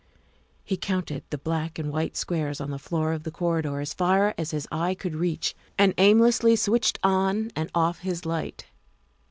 He counted the black and white squares on the floor of the corridor as far as his eye could reach, and aimlessly switched on and off his light.